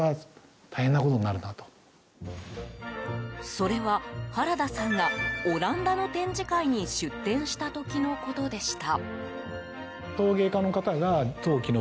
それは、原田さんがオランダの展示会に出展した時のことでした。